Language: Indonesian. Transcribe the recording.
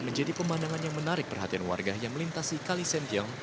menjadi pemandangan yang menarik perhatian warga yang melintasi kalisentiong